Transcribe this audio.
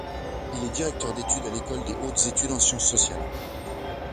Il est directeur d’études à l’Ecole des hautes études en sciences sociales.